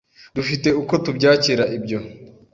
dufite uko tubyakira ibyo